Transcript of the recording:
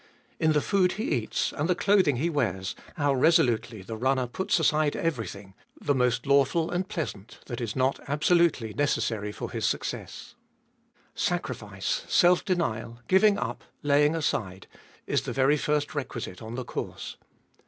In the food he eats and the clothing he wears how resolutely the runner puts aside everything, the most lawful and pleasant, that is not absolutely necessary to his success. Sacrifice, self denial, giving up, laying aside, is the very first requisite on the course.